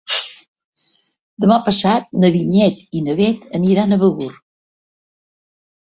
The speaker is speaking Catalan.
Demà passat na Vinyet i na Bet aniran a Begur.